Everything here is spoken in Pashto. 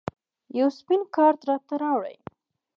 یو سپین کارت راته راوړئ